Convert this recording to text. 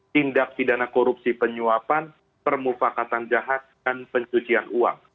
tindak pidana korupsi penyuapan permufakatan jahat dan pencucian uang